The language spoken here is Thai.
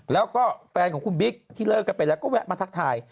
แล้วก็แฟนของคุณบิ๊กที่เลิกกันไปแล้วก็แวะมาทักทาย